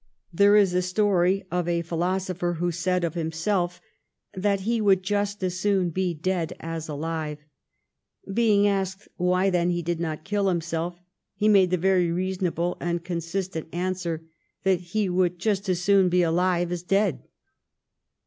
There is a story of a philosopher who said of himself that he would just as soon be dead as alive. Being asked why, then, he did not kill himself, he made the very reasonable and consistent answer that he would just as soon be alive as dead.